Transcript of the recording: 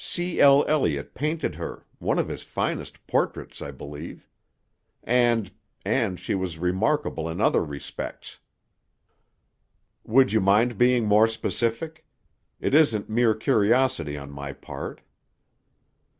C. L. Elliott painted her—one of his finest portraits, I believe. And—and she was remarkable in other respects." "Would you mind being more specific? It isn't mere curiosity on my part."